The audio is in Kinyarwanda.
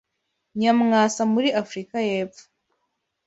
Nyamwasa muri Afurika y’Epfo